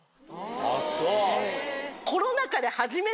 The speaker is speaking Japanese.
あっそう。